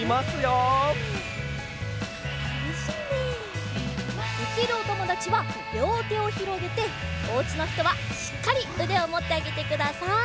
できるおともだちはりょうてをひろげておうちのひとはしっかりうでをもってあげてください。